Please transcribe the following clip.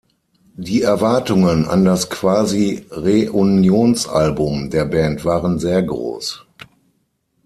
Die Erwartungen an das Quasi-Reunionsalbum der Band waren sehr groß.